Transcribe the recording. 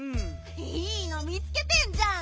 いいの見つけてんじゃん。